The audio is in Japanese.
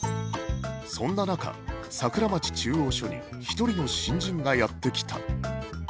そんな中桜町中央署に１人の新人がやって来た